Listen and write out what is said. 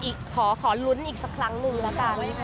ขอลุ้นอีกสักครั้งหนึ่งแล้วกัน